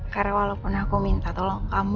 karena walaupun aku minta tolong kamu